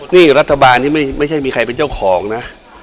นี่รัฐบาลนี้ไม่ใช่มีใครเป็นเจ้าของนะ